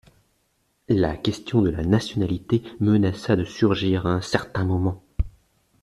La question de nationalité menaça de surgir à un certain moment.